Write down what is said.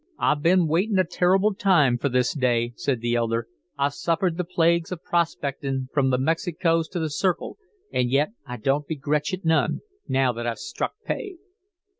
"I've been waitin' a turrible time fer this day," said the elder. "I've suffered the plagues of prospectin' from the Mexicos to the Circle, an' yet I don't begretch it none, now that I've struck pay."